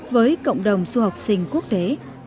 với cộng đồng du học sinh quốc tế